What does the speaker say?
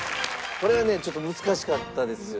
これはねちょっと難しかったですよね。